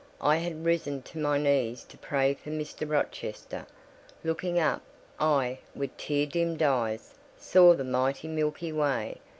I had risen to my knees to pray for Mr. Rochester. Looking up, I, with tear dimmed eyes, saw the mighty Milky way.